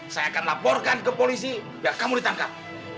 saya akan laporkan ke polisi biar kamu ditangkap